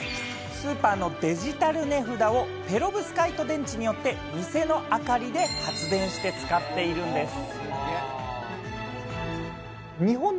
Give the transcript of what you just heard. スーパーのデジタル値札をペロブスカイト電池によって、店の明かりで発電して使っているんです。